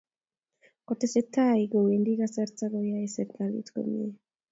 Kotesetai tai kowendi kasarta koyaei serkalit komie